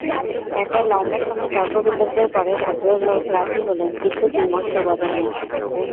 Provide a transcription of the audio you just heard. একটা লম্বা সময় তর্ক বিতর্কের পরে ভদ্রলোক রাজি হলেন কিন্তু বিমর্ষ বদনে।